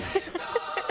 ハハハハ！